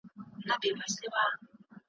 چي بیا ښکلي د کابل وي ګل یې ایښی پر اوربل وي `